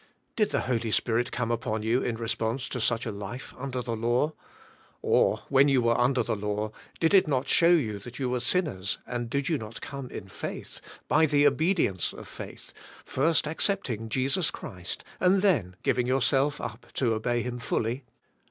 Did the Holy Spirit come upon you, in response to such a life, under the law? Or, when you were under the law, did it not show you that you were sinners and did you not come in faith, by the obedience of faith, first accepting Jesus Christ, and then g iving yourself up to obey Him fully?